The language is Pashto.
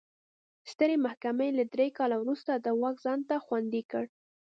سترې محکمې له درې کال وروسته دا واک ځان ته خوندي کړ.